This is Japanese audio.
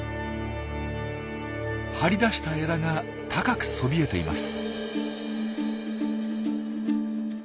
張り出した枝が高くそびえています。